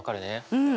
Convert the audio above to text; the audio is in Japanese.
うん。